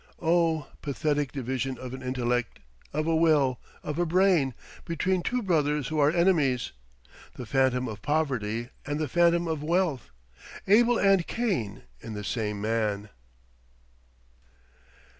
Oh, pathetic division of an intellect, of a will, of a brain, between two brothers who are enemies! the Phantom of Poverty and the Phantom of Wealth! Abel and Cain in the same man!